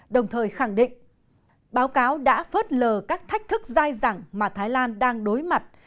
đồng thời khẳng định báo cáo đã phớt lờ các thách thức dai dẳng mà thái lan đang đối mặt